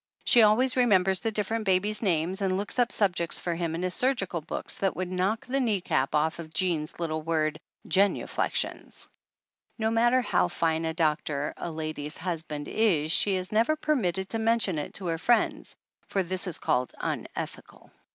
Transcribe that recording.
She always re members the different babies' names and looks up subjects for him in his surgical books that would knock the knee cap off of Jean's little word, "genuflections." No matter how fine a doctor a lady's husband is she is never permitted to mention it to her friends, for this is called "unethical."